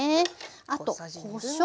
あとこしょう。